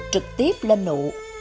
trực tiếp lên nụ